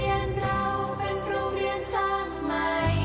และประเภทชาติของเรา